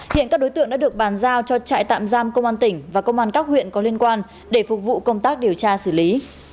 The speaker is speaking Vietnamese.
hiện các đối tượng đã được bàn giao cho trại tạm giam công an tỉnh và công an các huyện có liên quan để phục vụ công tác điều tra xử lý